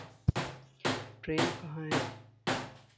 Train कहाँ है?